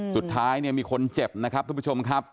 สุดท้ายเนี่ยมีคนเจ็บนะครับทุกผู้ชมครับ